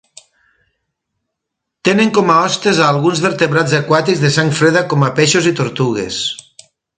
Tenen com hostes a alguns vertebrats aquàtics de sang freda com a peixos i tortugues.